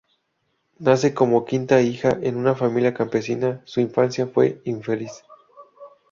Nace como quinta hija en una familia campesina; su infancia fue infeliz.